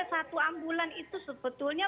satu ambulan itu sebetulnya